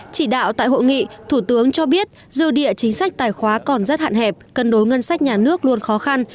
chỉ đạo tại hội nghị thủ tướng cho biết dư địa chính sách tài khoá còn rất hạn hẹp cân đối ngân sách nhà nước luôn khó khăn